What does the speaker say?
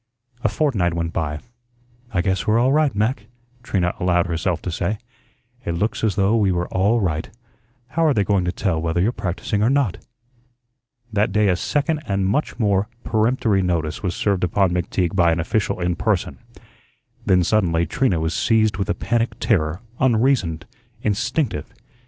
A fortnight went by. "I guess we're all right, Mac," Trina allowed herself to say. "It looks as though we were all right. How are they going to tell whether you're practising or not?" That day a second and much more peremptory notice was served upon McTeague by an official in person. Then suddenly Trina was seized with a panic terror, unreasoned, instinctive.